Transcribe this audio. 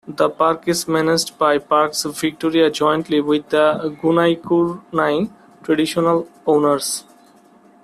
The park is managed by Parks Victoria jointly with the Gunaikurnai Traditional Owners'.